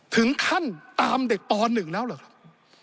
ถึงขั้นตามเด็กป๑แล้วเหรอครับ